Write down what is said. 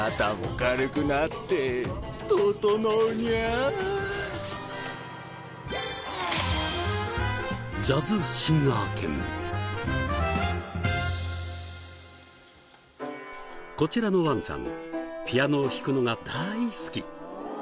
まるでこちらのワンちゃんピアノを弾くのが大好き！